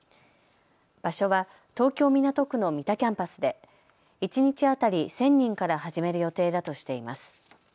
場所は東京港区の三田キャンパスで一日当たり１０００人から始める予定だとしています。